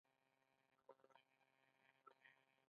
آیا دا د ایران کیسه نه ده؟